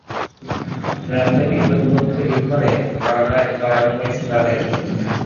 রাজনৈতিক প্রতিপক্ষের ইন্ধনে মামলায় জড়ানো হয়েছে তাঁদের।